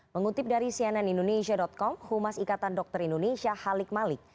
mengutip dari cnn indonesia com humas ikatan dokter indonesia halik malik